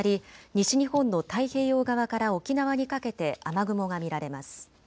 西日本の太平洋側から沖縄にかけて雨雲が見られます。